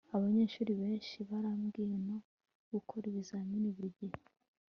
abanyeshuri benshi barambiwe no gukora ibizamini buri gihe